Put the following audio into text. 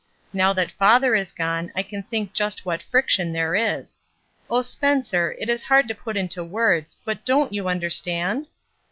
Now that father is gone I can think just what friction there is. Oh, Spencer, it is hard to put it into words, but donH you understand?''